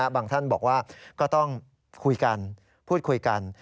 ท่านบอกว่าก็ต้องคุยกันพูดคุยกัน